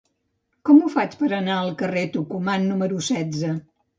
Com ho faig per anar al carrer de Tucumán número setze?